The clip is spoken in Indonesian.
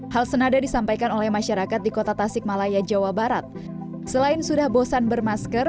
hal senada disampaikan oleh masyarakat di kota tasik malaya jawa barat selain sudah bosan bermasker